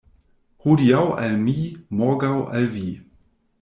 Hodiaŭ al mi, morgaŭ al vi.